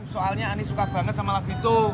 soalnya anies suka banget sama lagu itu